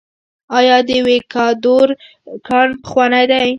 آیا د ویکادور کان پخوانی دی؟